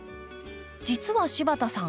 実は柴田さん